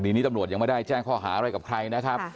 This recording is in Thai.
คดีนี้ตำรวจยังไม่ได้แจ้งข้ออาวัยบางใครนะครับ